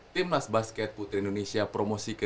tim nas basket putri indonesia promosi ke